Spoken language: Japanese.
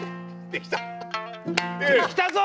できたぞ！